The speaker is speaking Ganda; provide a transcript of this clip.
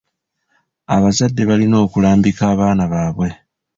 Abazadde balina okulambika abaana baabwe.